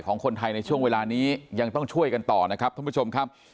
ของคนไทยในช่วงเวลานี้ยังต้องช่วยกันต่อนะครับท่านผู้ชมครับ